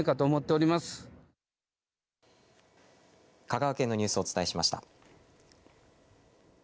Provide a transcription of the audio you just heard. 香川県のニュースをお伝えしました。